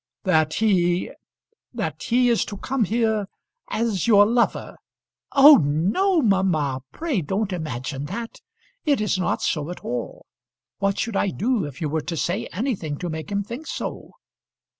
"That he that he is to come here as your lover." "Oh, no, mamma. Pray don't imagine that. It is not so at all. What should I do if you were to say anything to make him think so?"